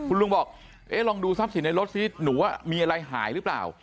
คุณลุงบอกเอ๊ะลองดูทรัพย์สินในรถซิหนูมีอะไรหายหรือเปล่า